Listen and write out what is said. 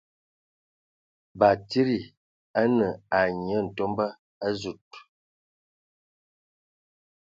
Batsidi a ne ai nye ntumba a zud.